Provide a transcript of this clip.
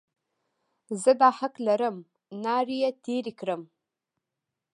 زه دا حق لرم، ناړې یې تېرې کړې.